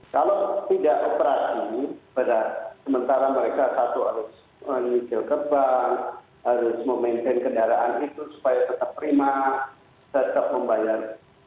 kalau tidak operasi sementara mereka satu harus mengisi ke bank harus memaintain kendaraan itu supaya tetap prima tetap membayar